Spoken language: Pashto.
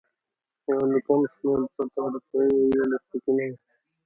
له یو کم شمېر پرته اروپايي وګړي پکې نه دي.